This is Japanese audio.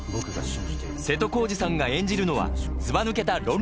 瀬戸康史さんが演じるのはずばぬけた論